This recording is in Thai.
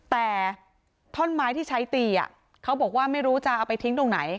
แต่ท่อนไม้ที่ใช้ตีเขาบอกว่าไม่รู้จะเอาไปทิ้งตรงไหน